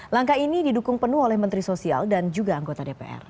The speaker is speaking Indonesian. langkah ini didukung penuh oleh menteri sosial dan juga anggota dpr